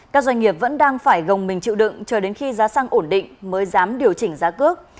các doanh nghiệp vẫn đang phải gồng mình chịu đựng chờ đến khi giá xăng ổn định mới dám điều chỉnh giá cước